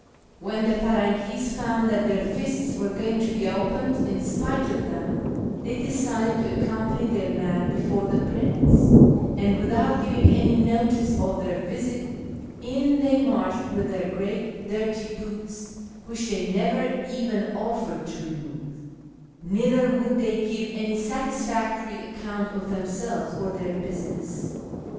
When the Firangis found that their fists were going to be opened ^ in spite of them, they decided to accompany their man before the prince, and, without giving any notice of their visit, in they marched with their great dirty boots (which they never even offered to remove) ; neither would they give any satisfactory account of themselves or their business.